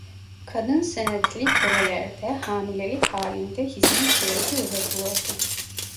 Kadın senetli kölelerde hamilelik halinde hizmet süresi uzatılırdı.